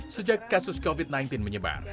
sejak kasus covid sembilan belas menyebar